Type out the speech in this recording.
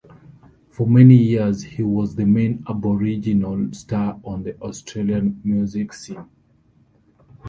For many years he was the main Aboriginal star on the Australian music scene.